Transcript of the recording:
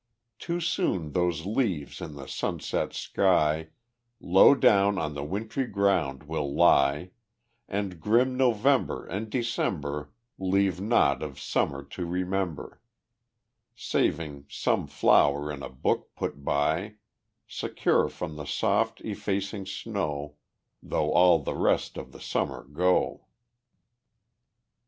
Too soon those leaves in the sunset sky Low down on the wintry ground will lie, And grim November and December Leave naught of Summer to remember Saving some flower in a book put by, Secure from the soft effacing snow, Though all the rest of the Summer go.